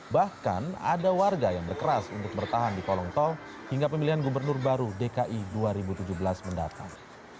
bahkan ada warga yang berkeras untuk bertahan di kolong tol hingga pemilihan gubernur baru dki dua ribu tujuh belas mendatang